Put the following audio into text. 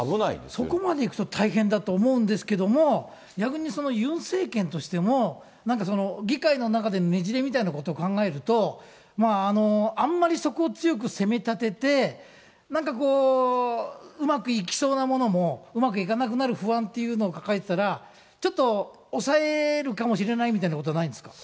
そこまでいくと大変だと思うんですけども、逆にユン政権としても、何か議会の中でねじれみたいなことを考えると、あんまりそこを強く攻め立てて、なんかこう、うまくいきそうなものもうまくいかなくなる不安というのを抱えてたら、ちょっと抑えるかもしれないみたいなことないんですか？